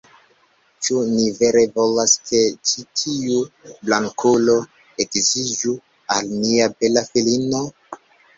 "Ĉu ni vere volas, ke ĉi tiu blankulo edziĝu al nia bela filino?"